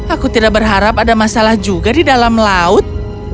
aku tidak berharap ada masalah juga di dalam laut